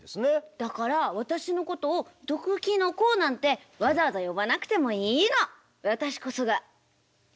だから私のことを毒キノコなんてわざわざ呼ばなくてもいいの！